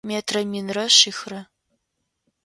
Метрэ минрэ шъихрэ.